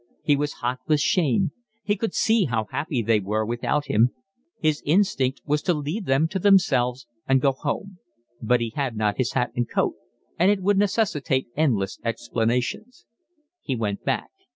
He was hot with shame. He could see how happy they were without him. His instinct was to leave them to themselves and go home, but he had not his hat and coat, and it would necessitate endless explanations. He went back.